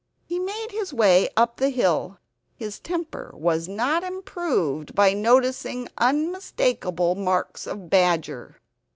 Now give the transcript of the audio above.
He made his way up the hill; his temper was not improved by noticing unmistakable marks of badger.